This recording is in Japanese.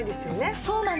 そうなんですよ。